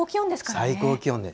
最高気温です。